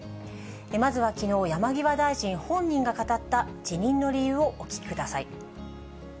まずはきのう、山際大臣本人が語った辞任の理由をお聞きください。